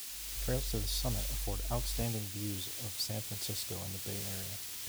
Trails to the summit afford outstanding views of San Francisco and the Bay Area.